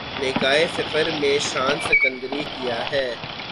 نگاہ فقر میں شان سکندری کیا ہے